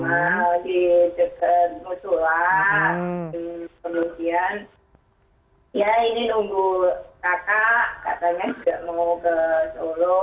ya ini nunggu kakak kakaknya juga mau ke solo